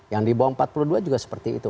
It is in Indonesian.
yang di bawah empat puluh dua juga seperti itu